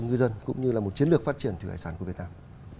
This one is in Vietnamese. ngư dân cũng như là một chiến lược phát triển thủy hải sản của việt nam